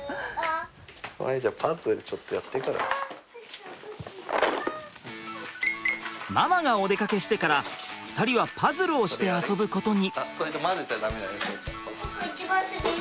何かママがお出かけしてから２人はパズルをして遊ぶことに。